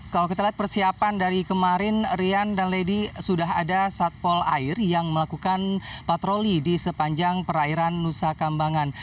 kalau kita lihat persiapan dari kemarin rian dan lady sudah ada satpol air yang melakukan patroli di sepanjang perairan nusa kambangan